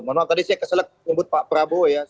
mohon maaf tadi saya keselek nyebut pak prabowo ya